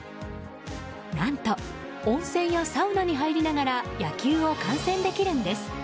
何と、温泉やサウナに入りながら野球を観戦できるんです。